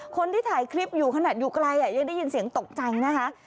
คนที่ถ่ายคลิปอยู่ขนาดอยู่ไกลยังได้ยินเสียงตกใจนะคะ